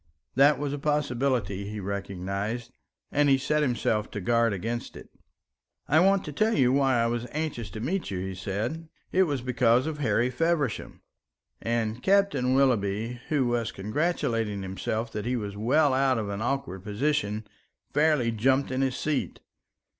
That was a possibility, he recognised, and he set himself to guard against it. "I want to tell you why I was anxious to meet you," he said. "It was because of Harry Feversham;" and Captain Willoughby, who was congratulating himself that he was well out of an awkward position, fairly jumped in his seat.